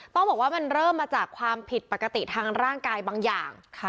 ต้องบอกว่ามันเริ่มมาจากความผิดปกติทางร่างกายบางอย่าง